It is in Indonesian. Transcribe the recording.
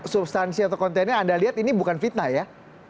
substansi atau kontennya anda lihat ini bukan fitnah ya